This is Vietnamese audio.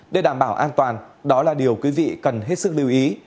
để đảm bảo an toàn đó là điều quý vị cần hết sức lưu ý